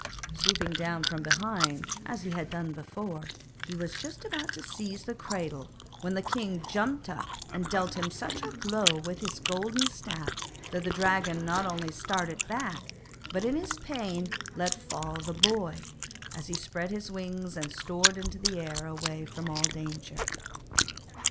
Swooping down from behind as he had done before, he was just about to seize the cradle, when the king jumped up and dealt him such a blow with his golden staff that the dragon not only started back, but in his pain let fall the boy, as he spread his wings and soared into the air away from all danger.